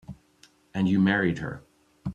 And you married her.